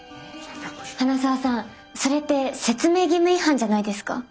花澤さんそれって説明義務違反じゃないですか？